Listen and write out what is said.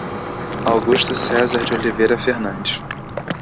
Augusto Cesar de Oliveira Fernandes